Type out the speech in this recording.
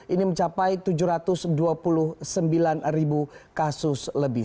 ini mencapai tujuh ratus dua puluh sembilan ribu kasus lebih